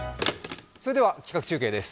それでは企画中継です。